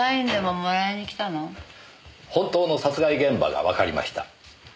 本当の殺害現場がわかりました。